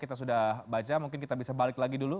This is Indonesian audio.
kita sudah baca mungkin kita bisa balik lagi dulu